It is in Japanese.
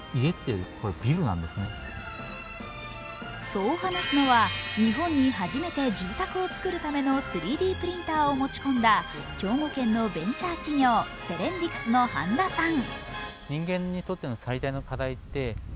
そう話すのは、日本に初めて住宅をつくるための３Ｄプリンターを持ち込んだ兵庫県のベンチャー企業、セレンディクスの飯田さん。